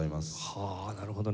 はあなるほどね。